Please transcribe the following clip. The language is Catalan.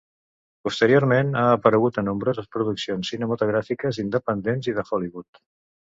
Posteriorment, ha aparegut a nombroses produccions cinematogràfiques independents i de Hollywood.